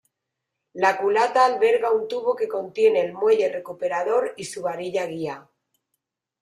La culata alberga un tubo que contiene el muelle recuperador y su varilla-guía.